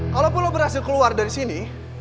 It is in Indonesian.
kalaupun lo berhasil keluar dari sini